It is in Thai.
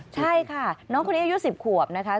ใช่ค่ะน้องคนนี้อายุ๑๐ขวบนะคะ